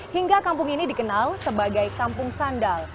hingga kampung ini dikenal sebagai kampung sandal